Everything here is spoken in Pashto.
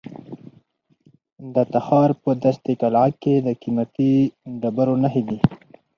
د تخار په دشت قلعه کې د قیمتي ډبرو نښې دي.